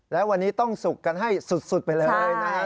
และวันนี้ต้องศุกร์กันให้สุดไปเลย